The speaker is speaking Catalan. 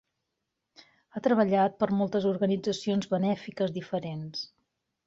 Ha treballat per a moltes organitzacions benèfiques diferents.